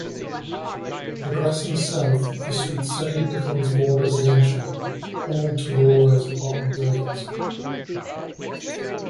Progressing south, the street steadily becomes more residential, home to low rise apartment buildings.